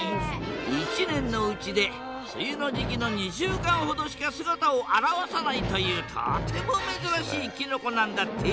一年のうちで梅雨の時期の２週間ほどしか姿を現さないというとてもめずらしいキノコなんだって。